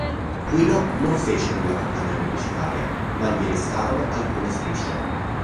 Quino non fece quella campagna pubblicitaria ma gli restarono alcune strisce.